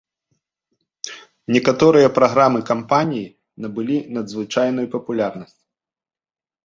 Некаторыя праграмы кампаніі набылі надзвычайную папулярнасць.